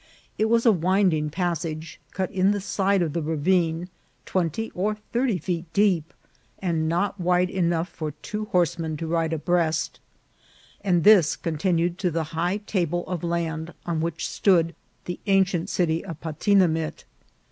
It was a winding passage cut in the side of the ravine, twenty or thirty feet deep, and not wide enough for two horse men to ride abreast ; and this continued to the high table of land on which stood the ancient city of Patinamit.